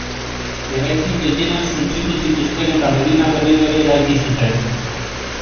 Eraikin gehienak suntsitu zituzten eta medina berriro ere eraiki zuten.